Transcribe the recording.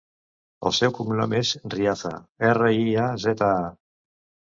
El seu cognom és Riaza: erra, i, a, zeta, a.